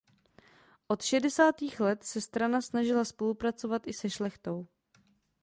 Od šedesátých let se strana snažila spolupracovat i se šlechtou.